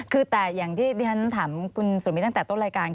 คือแต่อย่างที่ดิฉันถามคุณสุมินตั้งแต่ต้นรายการ